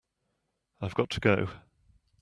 I've got to go.